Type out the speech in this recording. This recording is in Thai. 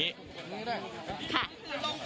เอาอย่างนี้ครับ